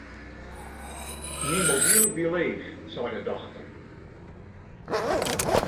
Myn mobyl wie leech, sei de dochter.